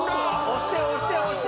押して押して押して！